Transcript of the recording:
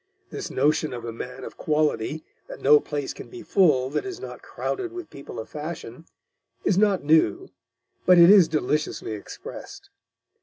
This notion of a man of quality, that no place can be full that is not crowded with people of fashion, is not new, but it is deliciously expressed.